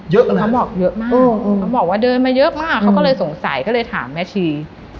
เขาบอกเยอะมากเขาบอกว่าเดินมาเยอะมากเขาก็เลยสงสัยก็เลยถามแม่ชี